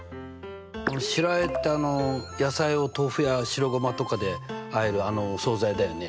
白あえって野菜を豆腐や白ごまとかであえるあのお総菜だよね？